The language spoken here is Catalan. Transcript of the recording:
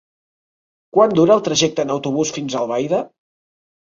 Quant dura el trajecte en autobús fins a Albaida?